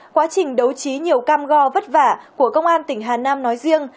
quá trình đấu trí nhiều cam go vất vả của công an tỉnh hà nam nói riêng